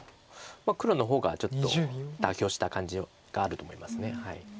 黒の方がちょっと妥協した感じがあると思います。